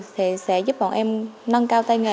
sẽ giúp bọn em nâng cao tay nghề